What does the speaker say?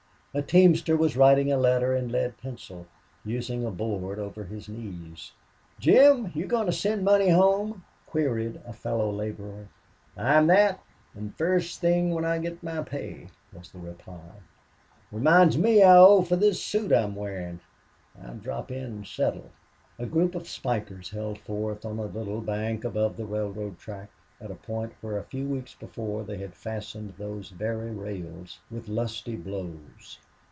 A teamster was writing a letter in lead pencil, using a board over his knees. "Jim, you goin' to send money home?" queried a fellow laborer. "I am that, an' first thing when I get my pay," was the reply. "Reminds me, I owe for this suit I'm wearin'. I'll drop in an' settle." A group of spikers held forth on a little bank above the railroad track, at a point where a few weeks before they had fastened those very rails with lusty blows.